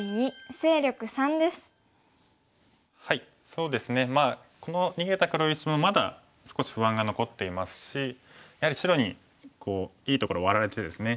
そうですねまあこの逃げた黒石もまだ少し不安が残っていますしやはり白にいいところをワラれてですね